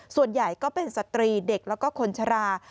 ส่วนใหญ่ก็เป็นสตรีเด็กแล้วก็คนชรา